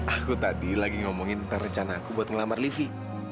aku tadi lagi ngomongin tentang rencana aku buat ngelamar livi